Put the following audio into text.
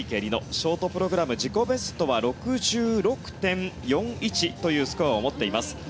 ショートプログラム自己ベストは６６．４１というスコアを持っています。